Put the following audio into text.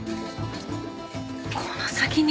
この先に！